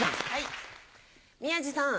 宮治さん